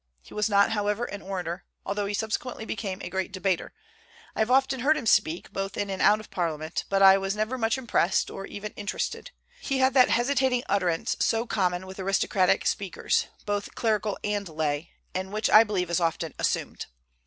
He was not, however, an orator, although he subsequently became a great debater. I have often heard him speak, both in and out of Parliament; but I was never much impressed, or even interested. He had that hesitating utterance so common with aristocratic speakers, both clerical and lay, and which I believe is often assumed.